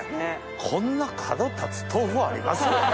こんな角立つ豆腐あります？